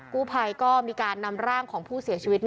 กู้ภัยก็มีการนำร่างของผู้เสียชีวิต